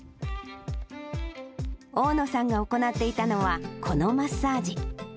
大野さんが行っていたのは、このマッサージ。